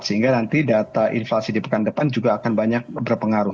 sehingga nanti data inflasi di pekan depan juga akan banyak berpengaruh